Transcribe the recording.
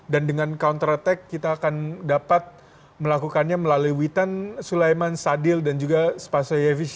dan dengan counter attack kita akan dapat melakukannya melalui witan sulaiman sadil dan juga spasoyevic